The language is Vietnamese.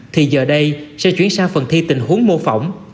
thì giờ đây sẽ chuyển sang phần thi tình huống mô phỏng